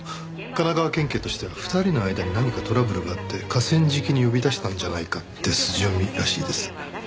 神奈川県警としては２人の間に何かトラブルがあって河川敷に呼び出したんじゃないかって筋読みらしいです。